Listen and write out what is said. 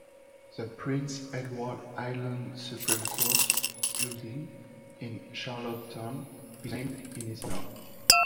The Prince Edward Island Supreme Court building in Charlottetown is named in his honour.